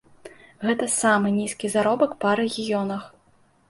Гэта самы нізкі заробак па рэгіёнах.